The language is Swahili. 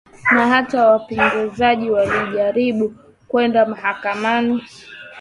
na hata wapinzani walijaribu kwenda mahakamani